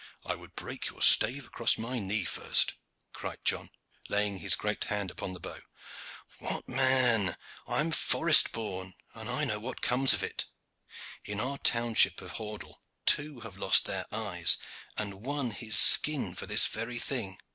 "I would break your stave across my knee first," cried John, laying his great hand upon the bow. "What! man, I am forest born, and I know what comes of it. In our own township of Hordle two have lost their eyes and one his skin for this very thing.